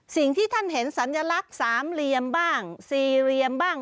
สิ่งที่ท่านเห็นสัญลักษณ์สามเหลี่ยมบ้างสี่เหลี่ยมบ้าง